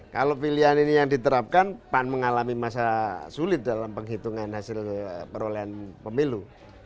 kalau pilihan ini yang diterapkan pan mengalami masa sulit dalam penghitungan hasil perolehan pemilu